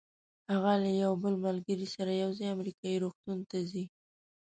هغه له یوې بلې ملګرې سره یو ځای امریکایي روغتون ته ځي.